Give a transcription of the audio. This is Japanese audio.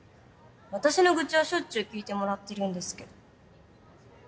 私の愚痴はしょっちゅう聞いてもらってるんですけど。